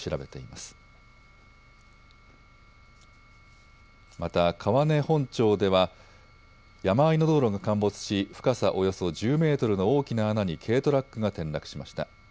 また川根本町では山あいの道路が陥没し深さおよそ１０メートルの大きな穴に軽トラックが転落しました。